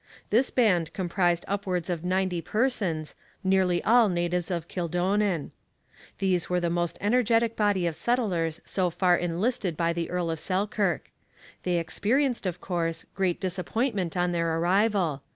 This band comprised upwards of ninety persons, nearly all natives of Kildonan. These were the most energetic body of settlers so far enlisted by the Earl of Selkirk. They experienced, of course, great disappointment on their arrival.